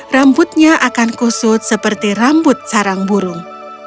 rambutnya akan kusut seperti rambut sarang burung